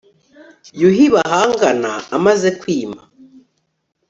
yuhi bahangana amaze kwima